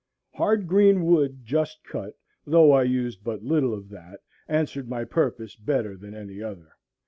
Hard green wood just cut, though I used but little of that, answered my purpose better than any other.